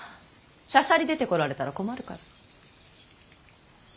しゃしゃり出てこられたら困るから。